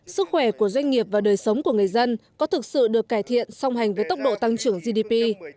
sức khỏe của doanh nghiệp và đời sống của người dân có thực sự được cải thiện song hành với tốc độ tăng trưởng gdp